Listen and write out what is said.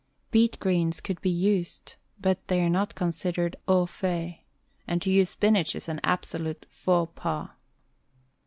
Beet greens could be used but they are not considered au fait, and to use spinach is an absolute faux pas.